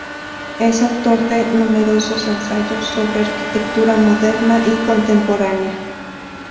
Es autor de numerosos ensayos sobre arquitectura moderna y contemporánea.